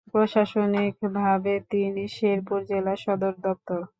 প্রশাসনিকভাবে এটি শেরপুর জেলার সদরদপ্তর।